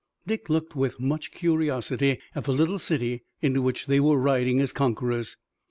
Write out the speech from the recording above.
Dick looked with much curiosity at the little city into which they were riding as conquerors.